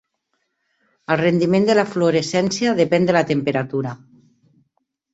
El rendiment de la fluorescència depèn de la temperatura.